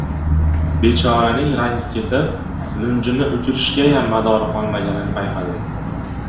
Bechoraning rangi ketib, lunjini uchirishgayam madori qolmaganini payqadim.